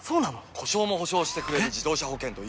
故障も補償してくれる自動車保険といえば？